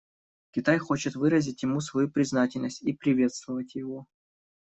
Китай хочет выразить ему свою признательность и приветствовать его.